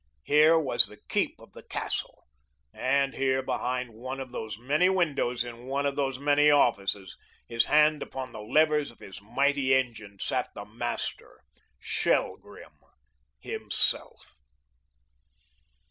Here was the keep of the castle, and here, behind one of those many windows, in one of those many offices, his hand upon the levers of his mighty engine, sat the master, Shelgrim himself.